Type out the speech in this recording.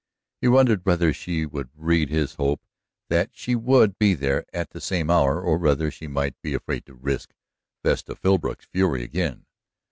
He wondered whether she would read his hope that she would be there at the same hour, or whether she might be afraid to risk Vesta Philbrook's fury again.